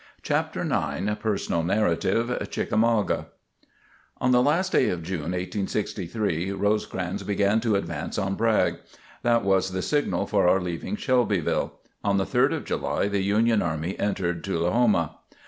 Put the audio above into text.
CHAPTER IX PERSONAL NARRATIVE CHICKAMAUGA On the last day of June, 1863, Rosecrans began to advance on Bragg. That was the signal for our leaving Shelbyville. On the 3rd of July the Union army entered Tullahoma.